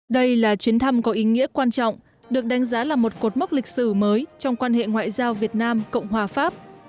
đây là chuyến thăm có ý nghĩa quan trọng được đánh giá là một cột mốc lịch sử mới trong quan hệ ngoại giao việt nam cộng hòa pháp